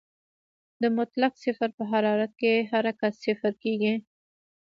د مطلق صفر په حرارت کې حرکت صفر کېږي.